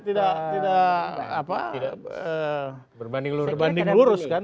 tidak berbanding lurus kan